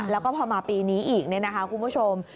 แล้วก็พอมาปีนี้อีกคุณผู้ชม